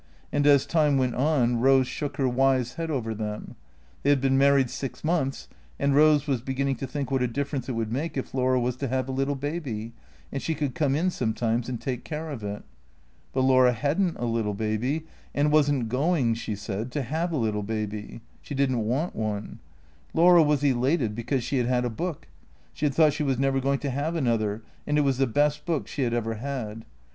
And as time went on Eose shook her wise head over them. They had been married six months, and Eose was beginning to think what a difference it would make if Laura was to have a little baby, and she could come in sometimes and take care of it. But Laura had n't a little baby, and was n't going, she said, to have a little baby. She did n't want one. Laura was elated because she had had a book. She had thought she was never going to have another, and it was the best book she had ever had.